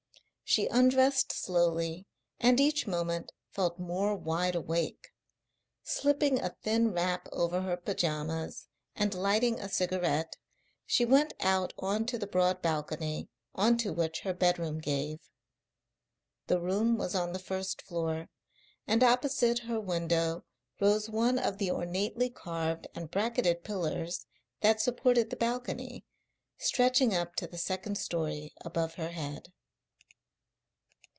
She undressed slowly and each moment felt more wide awake. Slipping a thin wrap over her pyjamas and lighting a cigarette she went out on to the broad balcony on to which her bedroom gave. The room was on the first floor, and opposite her window rose one of the ornately carved and bracketed pillars that supported the balcony, stretching up to the second story above her head.